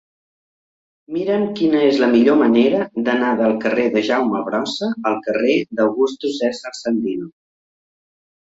Mira'm quina és la millor manera d'anar del carrer de Jaume Brossa al carrer d'Augusto César Sandino.